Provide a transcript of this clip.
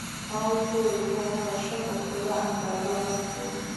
ما ورته وویل هو هغه ښه په پوره اندازه غټ وو.